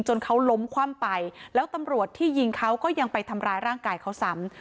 เขาล้มคว่ำไปแล้วตำรวจที่ยิงเขาก็ยังไปทำร้ายร่างกายเขาซ้ำ